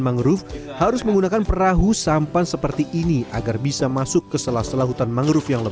mangrove harus menggunakan perahu sampan seperti ini agar bisa masuk ke sela sela hutan mangrove yang